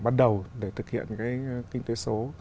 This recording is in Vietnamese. bắt đầu để thực hiện cái kinh tế số